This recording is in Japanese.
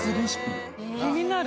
気になる。